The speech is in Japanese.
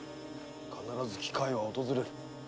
必ず機会は訪れる。